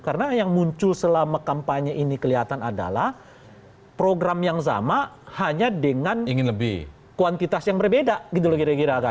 karena yang muncul selama kampanye ini kelihatan adalah program yang sama hanya dengan kuantitas yang berbeda gitu loh kira kira